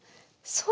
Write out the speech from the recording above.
そう。